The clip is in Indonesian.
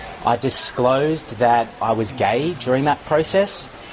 saya mengejutkan bahwa saya gay di saat proses itu